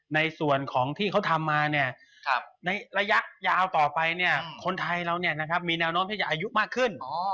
ในส่วนของที่เขาทำมาในระยะยาวต่อไปคนไทยเรามีแนวโน้มที่จะอายุมากขึ้น